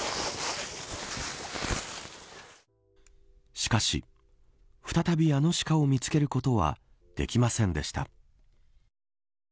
しかし、再びあのシカを見つけることはできませんでした。